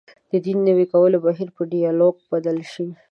د دین د نوي کولو بهیر په ډیالوګ بدل شي.